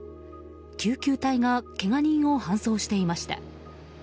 救急隊がけが人を搬送していました。